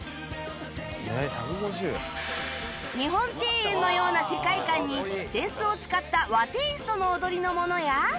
日本庭園のような世界観に扇子を使った和テイストの踊りのものや